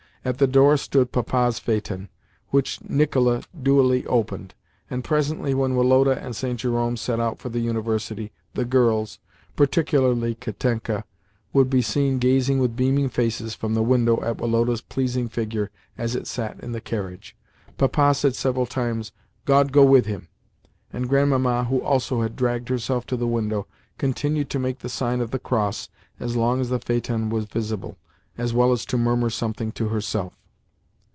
At the door stood Papa's phaeton, which Nicola duly opened; and presently, when Woloda and St. Jerome set out for the University, the girls—particularly Katenka—could be seen gazing with beaming faces from the window at Woloda's pleasing figure as it sat in the carriage. Papa said several times, "God go with him!" and Grandmamma, who also had dragged herself to the window, continued to make the sign of the cross as long as the phaeton was visible, as well as to murmur something to herself.